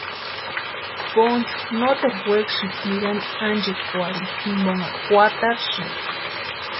Ponchu noteru wekasïnti nirani ánchikwarhini jimponha kwatarasïnti.